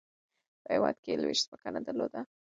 په هیواد کې یې لویشت ځمکه نه درلوده.